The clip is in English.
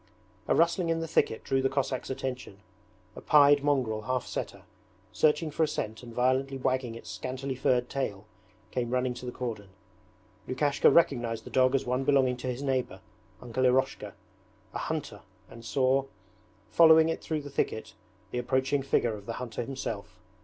A rustling in the thicket drew the Cossack's attention. A pied mongrel half setter, searching for a scent and violently wagging its scantily furred tail, came running to the cordon. Lukashka recognized the dog as one belonging to his neighbour, Uncle Eroshka, a hunter, and saw, following it through the thicket, the approaching figure of the hunter himself.